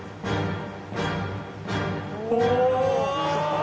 お！